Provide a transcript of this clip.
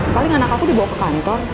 paling anak aku dibawa ke kantor